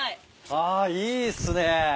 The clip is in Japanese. あっいいっすね。